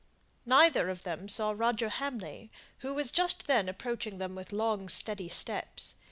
Neither of them saw Roger Hamley, who was just then approaching them with long, steady steps.